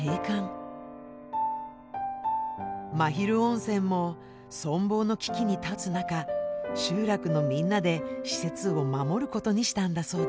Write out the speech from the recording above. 真昼温泉も存亡の危機に立つ中集落のみんなで施設を守ることにしたんだそうです。